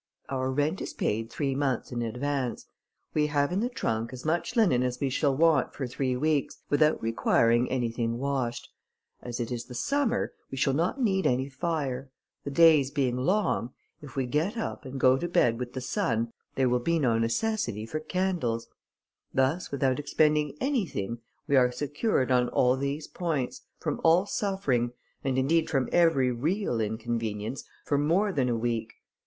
Our rent is paid three months in advance. We have in the trunk as much linen as we shall want for three weeks, without requiring anything washed; as it is summer, we shall not need any fire; the days being long, if we get up and go to bed with the sun, there will be no necessity for candles; thus, without expending anything, we are secured on all these points, from all suffering, and indeed from every real inconvenience, for more than a week.